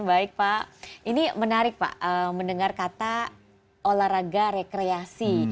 baik pak ini menarik pak mendengar kata olahraga rekreasi